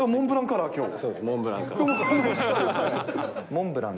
モンブラン？